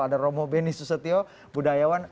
ada romo beni susetio budayawan